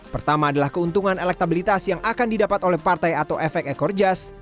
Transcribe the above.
pertama adalah keuntungan elektabilitas yang akan didapat oleh partai atau efek ekor jas